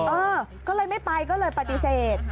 เออก็เลยไม่ไปก็เลยปฏิเสธ